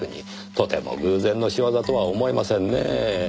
とても偶然の仕業とは思えませんねぇ。